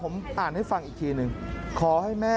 แม่ฟังอยู่นะคะ